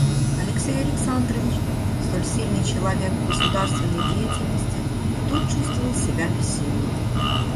Алексей Александрович, столь сильный человек в государственной деятельности, тут чувствовал себя бессильным.